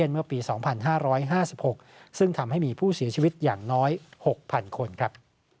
เมื่อปี๒๕๕๖ซึ่งทำให้มีผู้เสียชีวิตอย่างน้อย๖๐๐๐คนครับ